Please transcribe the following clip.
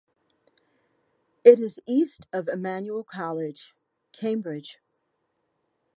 It is east of Emmanuel College, Cambridge.